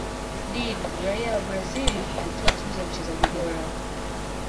Did raia wa brazil alitwaa tuzo ya mchezaji bora